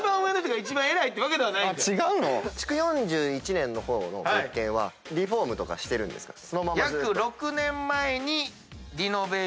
築４１年の方の物件はリフォームとかしてるんですか？